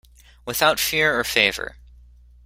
Without fear or favour.